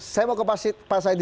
saya mau ke pak saidi